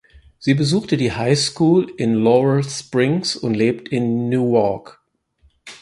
Sie besuchte die High School in Laurel Springs und lebt in Newark.